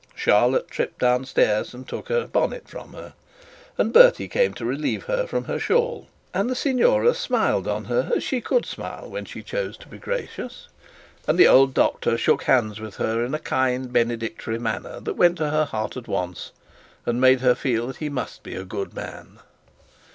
Charlotte tripped downstairs and took her bonnet from her, and Bertie came to relieve her from her shawl, and the signora smiled on her as she could smile when she chose to be gracious, and the old doctor shook hands with her in a kind and benedictory manner that went to her heart at once, and made her feel that he must be a good man.